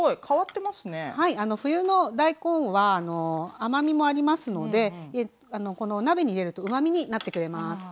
冬の大根は甘みもありますので鍋に入れるとうまみになってくれます。